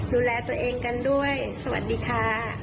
ดูแลตัวเองกันด้วยสวัสดีค่ะ